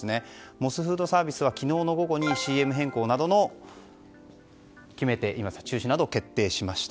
モスフードサービスは昨日の午後にＣＭ契約の中止などを決定しました。